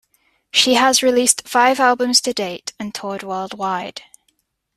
She has released five albums to date and toured worldwide.